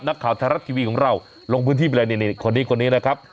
หนักข่าวไทรภ์ด้วยทลวโรคทางนี้